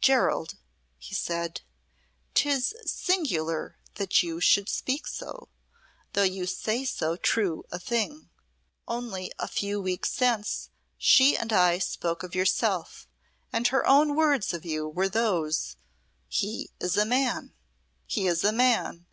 "Gerald," he said, "'tis singular that you should speak so, though you say so true a thing. Only a few weeks since he and I spoke of yourself, and her own words of you were those: 'He is a Man he is a Man.